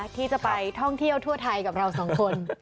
ที่จะไปท่องเที่ยวทั่วไทยกับเราสองคน